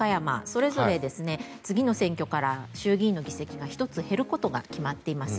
それぞれ次の選挙から衆議院の議席が１つ減ることが決まっています。